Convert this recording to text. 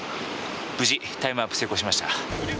無事タイムワープ成功しました。